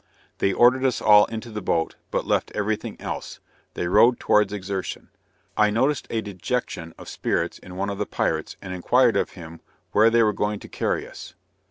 They ordered us all into the boat, but left every thing else; they rowed towards the Exertion I noticed a dejection of spirits in one of the pirates, and inquired of him where they were going to carry us?